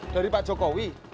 dari pak jokowi